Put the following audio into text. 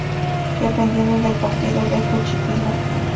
Dependiendo del partido de Juchipila.